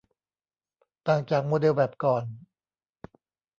ต่างจากโมเดลแบบก่อน